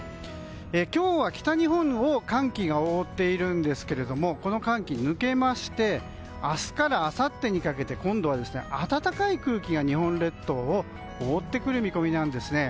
今日は北日本を寒気が覆っているんですがこの寒気、抜けまして明日からあさってにかけて今度は暖かい空気が日本列島を覆ってくる見込みなんですね。